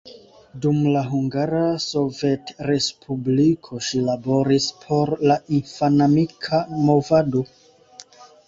Dum la Hungara Sovetrespubliko ŝi laboris por la infanamika movado.